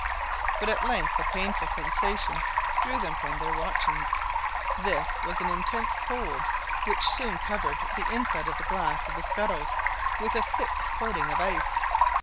But at length a painful sensation drew them from their watchings. This was an intense cold, which soon covered the inside of the glass of the scuttles with a thick coating of ice.